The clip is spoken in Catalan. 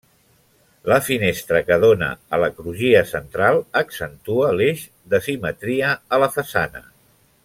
La finestra que dóna a la crugia central accentua l'eix de simetria a la façana.